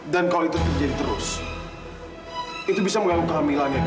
dan kalau itu terjadi terus itu bisa mengganggu kehamilannya